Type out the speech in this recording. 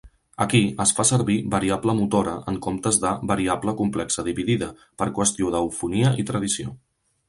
Aquí es fa servir "variable motora" en comptes de "variable complexa dividida" per qüestió d'eufonia i tradició.